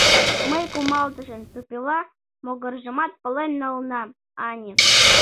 Мый кумалтышын тупела могыржымат пален налынам, ане.